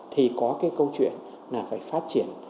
thì có câu chuyện phải phát triển